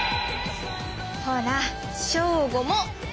ほらショーゴも！